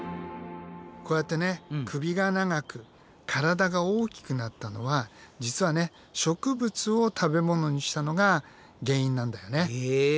こうやってね首が長く体が大きくなったのは実はね植物を食べ物にしたのが原因なんだよね。